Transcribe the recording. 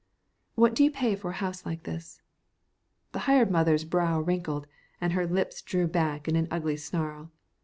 "What do you pay for a house like this?" The hired mother's brow wrinkled, and her lips drew back in an ugly snarl.